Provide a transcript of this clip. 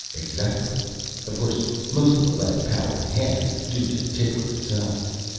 "Exactly! Of course most of the last power and a half is due to Tickler itself.